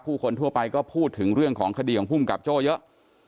คนทั่วไปก็พูดถึงเรื่องของคดีของภูมิกับโจ้เยอะ